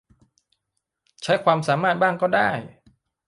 ใช้ความสามารถบ้างก็ได้